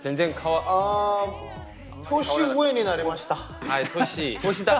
年上になりました。